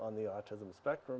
orang orang di spektrum autism